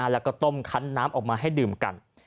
แล้วก็ต้มคันน้ำออกมาให้ดื่มกัน